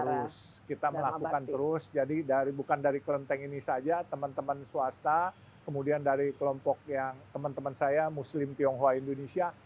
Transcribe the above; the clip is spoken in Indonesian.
terus kita melakukan terus jadi bukan dari kelenteng ini saja teman teman swasta kemudian dari kelompok yang teman teman saya muslim tionghoa indonesia